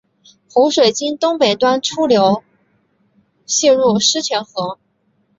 湖水经东北端出流泄入狮泉河。